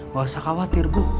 gak usah khawatir bu